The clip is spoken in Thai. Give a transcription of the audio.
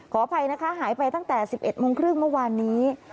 ขออภัยนะคะหายไปตั้งแต่๑๑โมงครึ่งเมื่อวานนี้